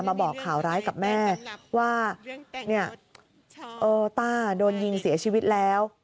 บอกข่าวร้ายกับแม่ว่าเนี่ยต้าโดนยิงเสียชีวิตแล้ว